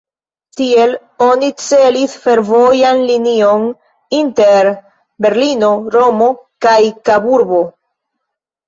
Tiel oni celis fervojan linion inter Berlino, Romo kaj Kaburbo.